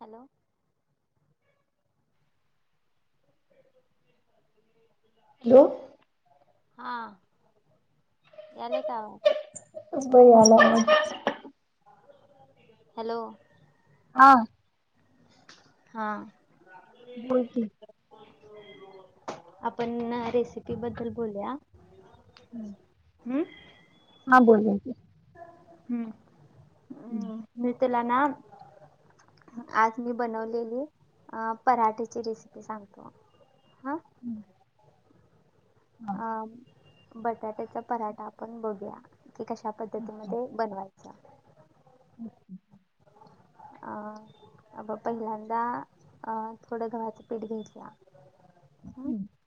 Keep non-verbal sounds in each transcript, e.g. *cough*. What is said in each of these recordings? Hello. Hello हा, यालय काय आवाज? यालय आवाज *inaudible* हॅलो हा हा बोल की आपण ना रेसि पी बद्दल बोलुया. हम्मं हां बोलु या की, हम्म हूं हम्म मी तूला ना आज मी बनवलेली अ पराठेची रेसिपी सांगतो. हा हूं आ बटाट्याचा पराठा आपण बघूया, ते कशा पद्धतीमध्ये बनवायचा. *unintelligible* आ अग पहिल्यांदा अं थोडं गव्हाचं पीठ घेयचा *unintelligible*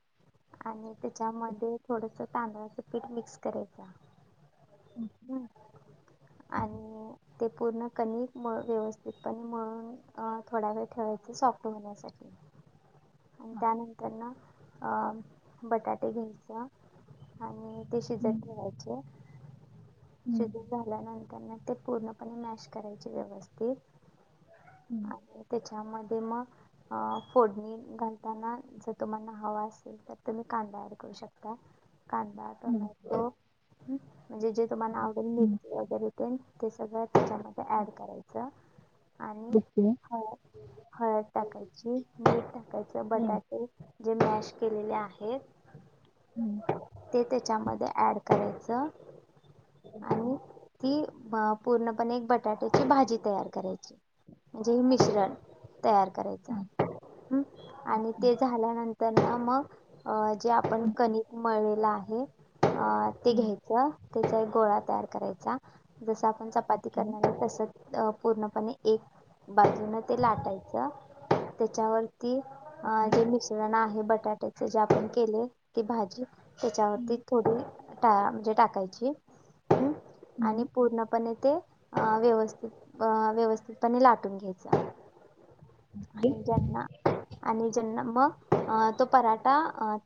आणि त्याच्यामध्ये थोडस तांदळाचं पीठ मिक्स करायचा हम् आणि ते पूर्ण कणिक मळ व्यवस्थितपणे मळून अ थोडा वेळ ठेवायचे सॉफ्ट होण्यासाठी आणि त्यानंतर ना अ बटाटे घ्यायचा आणि ते शिजत ठेवायचे. शिजूण झाल्यानंतर म ते पूर्णपणे मॅश करायचे व्यवस्थित हम्म आणि त्याच्यामध्ये मग अ फोडणी घालताना जर तुम्हाना हवा असेल तर तुम्ही कांदा ऍड करू शकता. कांदा टोमॅटो म्हणजे जे तुम्हाला आवडेल *unintelligible* ते सगळं त्याच्यामध्ये ऍड करायचं. आणि हळद, हळद टाकायची, मीठ टाकायच, बटाट टे जे मॅश केलेले आहेत. हम्म ते त्याच्यामध्ये ऍड करायचं. आणि ती म पूर्णपणे एक बटाट्याची भाजी तयार करायची. म्हणजे हे मिश्रण तयार करायचा. हम्म आणि ते झाल्यानंतर ना म अ जे आपण कणिक मळलेलं आहे. अ ते घ्यायचं. त्याचा एक गोळा तयार करायचा. जसं आपण चपाती करणारये तस अ पूर्णपणे एक बाजून ते लाटायचं. त्याच्यावरती अ जे मिश्रण आहे. बटाट्याचे जे आपण केले. ती भाजी त्याच्यावरती थोडी टा म्हणजे टाकायची हं आणि पूर्णपणे ते अ व्यवस्थित अ व्यवस्थितपणे लाटून घ्यायचं. आणि ज्यांना आणि ज्यांना म तो पराठा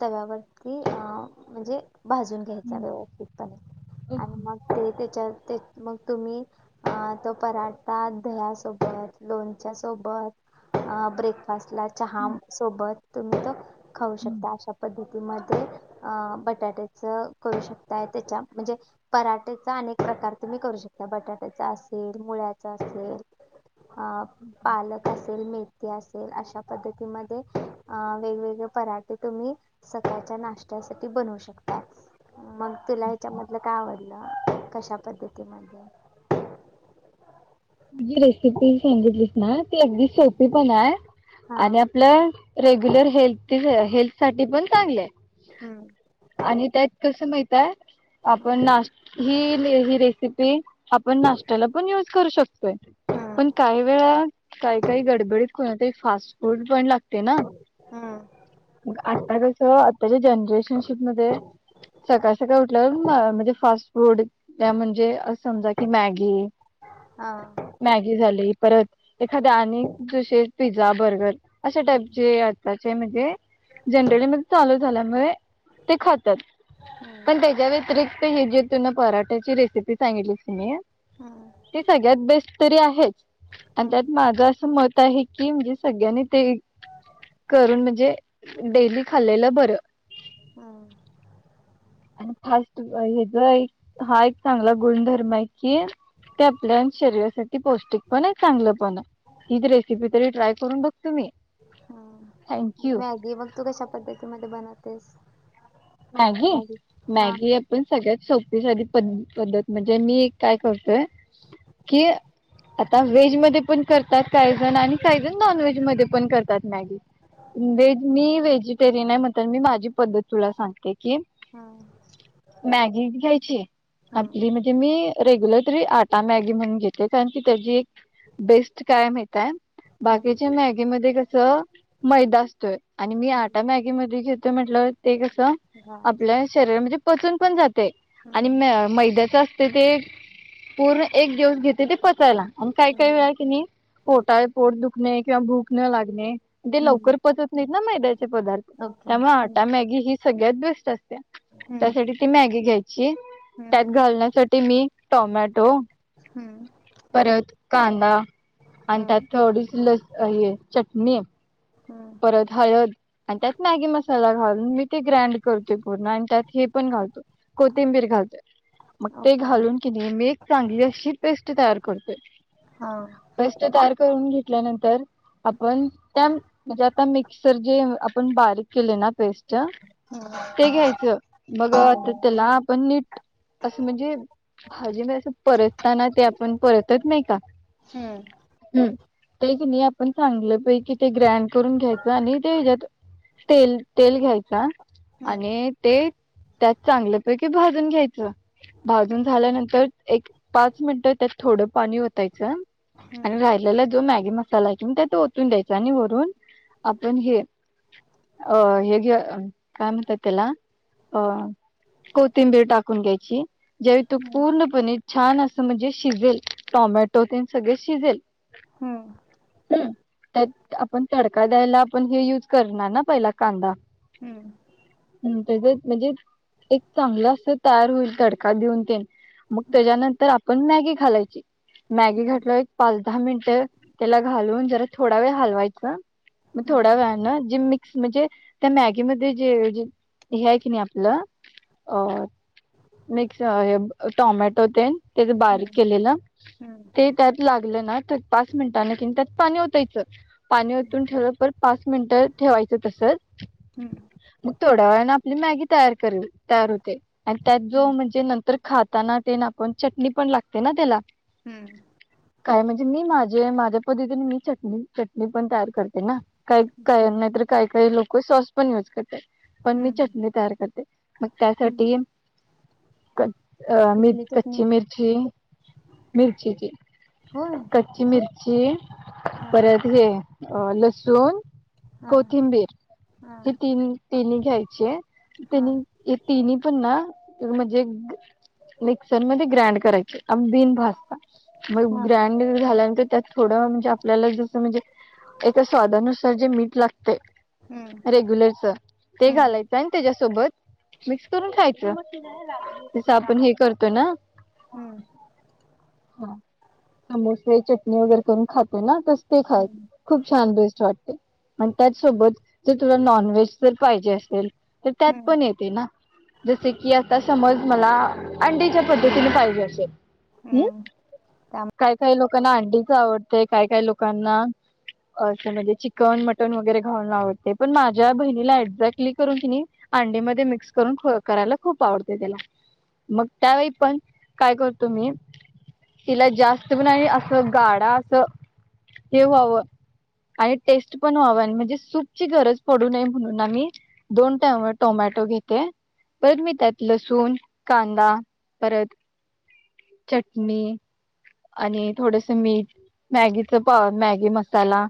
तव्यावरती अ म्हणजे भाजून घ्यायचा व्यवथितपणे आणि मग ते त्याच्यावरती मग तुम्ही हा तो पराठा दह्या सोबत, लोणच्या सोबत अ ब्रेकफास्टला चहा सोबत तुम्ही तो खाऊ शकता. अशा पद्धतीमध्ये बटाट्याचं करू शकता आहे त्याच्या म्हणजे. पराटेचा अनेक प्रकार तुम्ही करू शकता बटाट्याचा असेल मुळ्याचा असेल. अ पालक असेल मेथी असेल अशा. पद्धतीमध्ये अ वेगवेगळे पराठे तुम्ही. सकाळच्या नाश्त्यासाठी बनवू शकता. मग तुला ह्याच्यामधलं काय आवडलं कशा पद्धतीमध्ये. जी रेसिपी सांगितलीस ना ती अगदी सोपी पण आहे, हा आणि आपलं. रेग्युलर हेल्थ हेल्थ साठी पण चांगलय. हम्म आणि त्यात कसं माहितय आपण नाश. ही ही रेसिपी आपण नाशत्याला पण युज करू शकतो. पण काही वेळा काही काही गडबडीत कोणात फास्ट फूड प लागत. हम्म. मग आता कसं आताच्या जनरेशन. म सकाळ सकाळ उठल्यावर म्हणजे फास्ट फूड. त्या म्हणजे अस समजा कि मॅगी. हा मॅगी झाली परत एखाद्या अने जुसे पिझ्झा बर्गर अशा टाईपचे. त्याचे म्हणजे. जनरली मग चालू झाल्यामुळे ते खातात हम्म पण त्याच्या व्यतिरिक्त हे जे. तुन पराठ्याची रेसिपी सांगितलीस कणी. हा. ते सगळ्यात बेस्ट तरी आहेच आणि हम्म त्यात माझं असं मत आहे. की म्हणजे सगळ्यांनी ते करून म्हणजे डेली खाल्लेलं बरं. हा. आणि फास्ट हचा एक हा एक चांगला गुणधर्म आहे की. ते आपल्या शरीरासाठी पौष्टिक पण आहे चांगलं पण आहे ही रेसिपी तरी ट्राय करून ब. तुम्ही. हा आणि थँक्यू मॅगी मग तू कशा पद्धतीमध्ये बनवतेस. Maggi Maggi. पण सगळ्यात सोपीशाली प पद्धत म्हणजे मी काय करतोय. कि आता व्हेज मध्ये पण कर. काही जण आणि काही हम्म जण नॉन व्हेज मध्ये पण करतात मॅगी व्हेज मी व्हेज- टेरिन आहे म्हनतर मी माझी पद्धत. कि हम्म मॅगी घ्यायची हम्म आपली म. मी रेग्युलर तरी आटा मॅगी म्हणून घेते कारण की त्याची एक. बेस्ट काय माहिताय हम्म बाकीचे मॅगी. मध्ये कस मैदा असतोय आणि मी आटा मॅगी म घेतो म्हटलं ते कसं. घात. आपल्या शरीरामध्ये पचन पण जाते हम्म आणि म मैद्याच- ते ते पूर्ण एक दिवस घेते ते पचायला आणि काय काय हम्म वेळा कि नाही. पोटा पोट दुखणे किंवा भूक न लागणे ते हम्म लवकर पचत नाहीत ना मैद्या- पदार्थ ओके त्यामुळे हम्म आटा मॅगी ही सगळ्यात बेस्ट असते. हम्म त्यासाठी ती मॅगी घ्यायची हम्म त्यात घालण्यासाठी- ते मी टोमॅटो हम्म परत कांदा. आणि त्यात हम्म थोडीच लस चटणी हम्म परत हळद- आणि त्यात मॅगी मसाला घालून मी ते ग्रँंड करतोय पूर्ण आणि त्यात हे पण घालतो. कोथिंबीर घालतोय. मग ते ओके घालून की नेहमी एक चांगली अशी पेस्ट तयार करते. हा. पेस्ट तयार करून घेतल्यानंतर आपण त्या म्हणजे आता मिक्सर ज ते आपण बारीक केले ना पेस्ट हम्म ते घ्यायच मग आता त्याला आपण नीट अस म्हणजे भाजी म अस परतताना ते आपण परतत नाही का- हम्म. ह ते कि नाही आपण चांगल पैकी ते ग्रँड करून घ्यायच आणि ते याच्यात तेल -तेल घ्यायच हम्म आणि ते त्यात चांगल्या पैकी भाजून घ्यायच. भाजून ओके झाल्यानंतर- एक पाच मिनिट त्यात थोड पाणी ओतायच आणि हम्म राहिलेला जो मॅगी मस्. झाला कि तो त्यात ओतून द्यायचा आणि वरून आपण हे अ ह हेग काय म्हणतात त्याला अ कोथिंबीर टाकून घ्यायची ज्यावेळी तू हम्म पूर्णपणे छान अस म्हणजे शिजेल टोमॅटो ते सगळे शिजेल. हम्. त्यात आपण तडका द्यायला आपण हे युज करणार ना पहिला कांदा हम्म. हम् त्याच म्हणजे एक चांगल अस तयार होईल तडका देऊन ते मग त्याच्यानंतर आपण मॅगी घालायची. मॅगी हम्म घातल पाच दहा मिनिट त्याला घालून जरा थोडा वेळ हलवायच. मग थोडा वेळ्याने जिम मिक्स म्हणजे त्या मॅगी मध्ये जे जे हे आहे की नाही आपल अ मिक्स टमॅटो ते ते बारीक हम्म केलेल. हम्म हम्म ते त्यात लागल ना तर पाच मिनटांने किन त्यात पाणी ओतायच. उलटून ठेवल परत पाच मिनिट ठेवायच तसच मग थोड्या वेळने आपली मॅगी तयार कर तयार होते. आणि त्यात जो हम्म म्हणजे नंतर खाताना ते ना आपण चटणी पण लागते ना त्याला. हम्म हम्म हम्म काय म्हणजे मी माझे माझ्या पध्दतीने मी चटणी चटणी पण तयार- ते ना काही ओके काय नाहीतर काही काही लोक सॉस पण युज करतात. पण मी हम्म चटणी तयार करते मग हम्म त्यासाठी कच अ मि कुठली चटणी कच्ची मिर्चीी मिर्चीीची होय क ची मिरची हां परत हे लसूण. हां कोथिंबीर हां हे तीन - तिनी घ्यायचे हां आणि तिनी तीनी ची ना म्हणजे मिक्सर मध्ये ग्रांड करायचे भाजता मग हां ग्रँड झाल्यानंतर त्यात थोड म्हणजे आपल्याला जस म्हणजे *inaudible* याच्या स्वादानुसार जे मीठ लागते हम्म रेग्युलरच ते हम्म घालायच आणि ना त्याच्यासोबत मिक्स करून खायच तस आपण हे करतो ना. हम्म हा समोसे चटणी वगैरे करून खातो ना तस ते खायच. हम्म खूप छान बेस्ट वाटते आणि त्याचसोबत जर तुला नॉन व्हेज जर पाहिजे असेल तर त्यात पण हम्म येते ना. जसे की आता समज मला अंडीच्या पद्धतीने पाहिजे असेल हम् हम्म त्या काय काय लोकांना अंडीच आवडतंय काय काय लोकांना असं म्हणजे चिकन, मटन वगैरे घालून आवडतय, पण माझ्या बहिणीला एक्झॅक्टली करून कीनी अंडीमध्ये मिक्स करून करायला खूप आवडते त्याला. मग त्यावेळी पण काय करतो मी तीला जास्त बी नाही असं गाडा असं हे व्हावं आणि टेस्ट पण व्हाव, आणि म्हणजे सूपची गरज पडू नये म्हणून आम्ही दोन टाम- टोमॅटो घेते परत मी त्यात लसूण, कांदा, परत चटणी आणि थोडस मीठ, मॅगीच पा मॅगी मसाला